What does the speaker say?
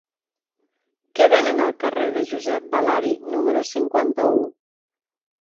Què venen al carrer de Josep Balari número cinquanta-u?